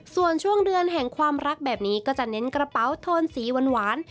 ส่วนช่วงเดือนแห่งความรักแบบนี้ก็จะเน้นกระเป๋าโทนสีหวาน